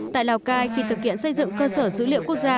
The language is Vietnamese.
tại lào cai khi thực hiện xây dựng cơ sở dữ liệu quốc gia